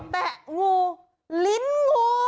แตะงูลิ้นงู